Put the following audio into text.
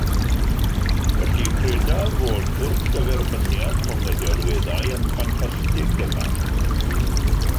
Felly credaf fod y gwrthgyferbyniad rhwng y delweddau yn ffantastig iawn yma.